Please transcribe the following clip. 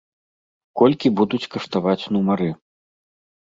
Колькі будуць каштаваць нумары?